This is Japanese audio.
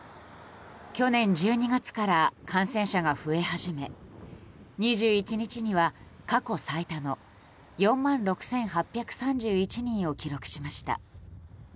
去年１２月から感染者が増え始め２１日には過去最多の４万６８３１人を記録しました。